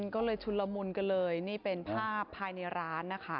ก็เลยชุนละมุนกันเลยนี่เป็นภาพภายในร้านนะคะ